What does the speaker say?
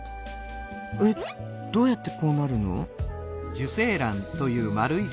えっどうやってこうなるの？